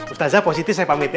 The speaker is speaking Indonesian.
ustazah positi saya pamit ya